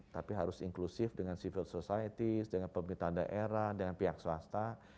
tapi harus inklusif dengan civil society dengan pemerintah daerah dengan pihak swasta